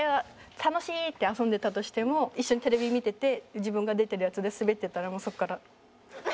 楽しい！」って遊んでたとしても一緒にテレビ見てて自分が出てるやつでスベってたらもうそこから。